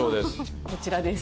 こちらです。